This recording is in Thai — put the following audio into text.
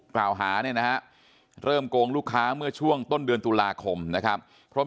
กล่าวหาเนี่ยนะฮะเริ่มโกงลูกค้าเมื่อช่วงต้นเดือนตุลาคมนะครับเพราะ